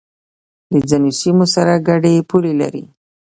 له ځینو سیمو سره گډې پولې لري